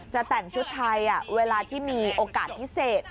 จะแต่งชุดไทยเวลาที่มีโอกาสพิเศษ